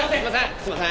すいません。